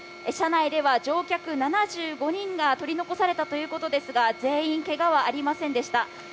車内では乗客７５人が取り残されたということですが全員けがはありませんでした。